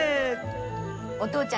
お父ちゃん